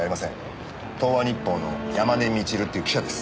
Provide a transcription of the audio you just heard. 東和日報の山根みちるっていう記者です。